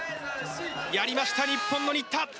やりました日本の新田！